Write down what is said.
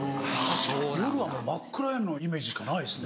夜はもう真っ暗闇のイメージしかないですね。